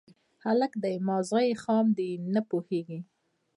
_هلک دی، ماغزه يې خام دي، نه پوهېږي.